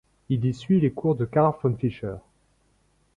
Il y suit les cours de Karl von Fischer.